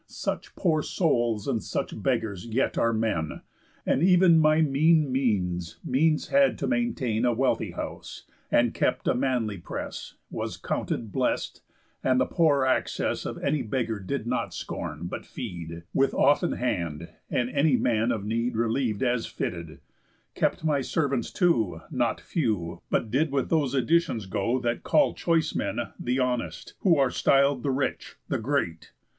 Such poor souls, and such beggars, yet are men; And ev'n my mean means means had to maintain A wealthy house, and kept a manly press, Was counted blessed, and the poor access Of any beggar did not scorn, but feed, With often hand, and any man of need Reliev'd as fitted; kept my servants, too, Not few, but did with those additions go That call choice men The Honest, who are styl'd The rich, the great.